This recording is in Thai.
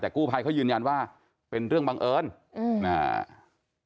แต่กู้ภัยเขายืนยันว่าเป็นเรื่องบังเอิญอืมอ่า